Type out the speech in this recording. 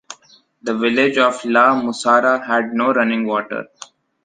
The village of la Mussara had no running water.